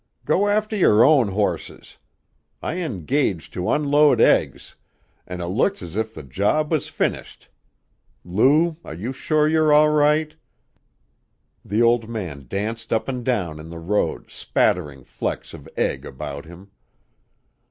"Go after your own horses. I engaged to unload eggs, and it looks as if the job was finished. Lou, are you sure you're all right?" The old man danced up and down in the road, spattering flecks of egg about him.